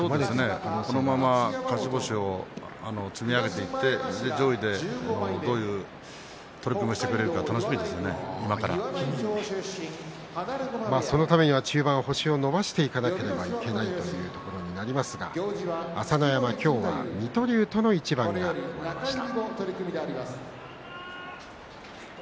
このまま勝ち星を積み重ねて上位でどういう取組をしてくれるかそのためには中盤星を伸ばしていかなければならないということになりますが朝乃山、今日は水戸龍との一番が組まれました。